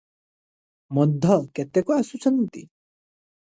ମଧ୍ୟ କେତେକ ଆସୁଛନ୍ତି ।